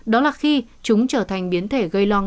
đó là khi chúng trở thành biến thể gây lo ngại như omicron